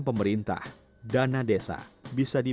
pertarung di bilik